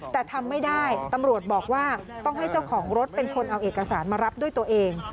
แต่ทำไม่ได้ตำรวจบอกว่าต้องให้เจ้าของรถเป็นคนเอาเอกสารมารับด้วยตัวเอง